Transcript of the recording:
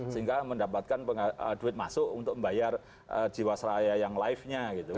sehingga mendapatkan duit masuk untuk membayar jiwasraya yang live nya gitu